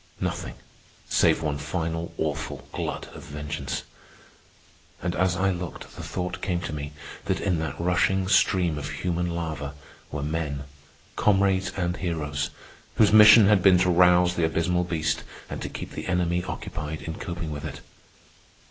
—nothing, save one final, awful glut of vengeance. And as I looked the thought came to me that in that rushing stream of human lava were men, comrades and heroes, whose mission had been to rouse the abysmal beast and to keep the enemy occupied in coping with it.